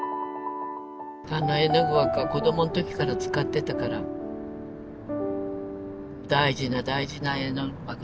あの絵の具箱は子どもの時から使ってたから大事な大事な絵の具箱だったんだけど。